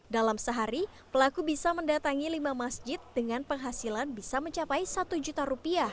dalam sehari pelaku bisa mendatangi lima masjid dengan penghasilan bisa mencapai satu juta rupiah